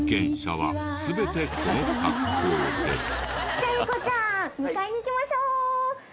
じゃあ英孝ちゃん２階に行きましょう！